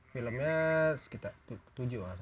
filmnya sekitar tujuh